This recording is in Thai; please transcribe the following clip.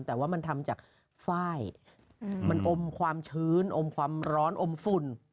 แต่ว่ามันทำจากฝ้ายมันอมความชื้นอมความร้อนอมฝุ่น